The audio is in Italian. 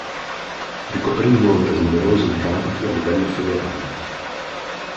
Ricoprì inoltre numerosi incarichi a livello federale.